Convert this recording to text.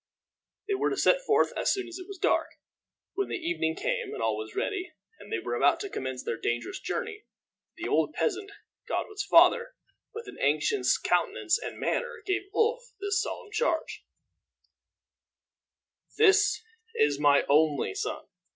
They were to set forth as soon as it was dark. When the evening came and all was ready, and they were about to commence their dangerous journey, the old peasant, Godwin's father, with an anxious countenance and manner, gave Ulf this solemn charge: "This is my only son.